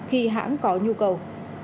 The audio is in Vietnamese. khi hãng có nhu cầu